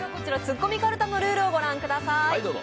こちら、「ツッコミかるた」のルールをご覧ください。